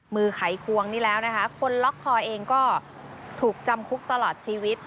ไขควงนี่แล้วนะคะคนล็อกคอเองก็ถูกจำคุกตลอดชีวิต